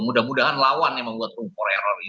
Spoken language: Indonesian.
mudah mudahan lawan yang membuat room for error itu